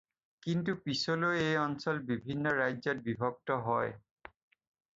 কিন্তু পিছলৈ এই অঞ্চল বিভিন্ন ৰাজ্যত বিভক্ত হয়।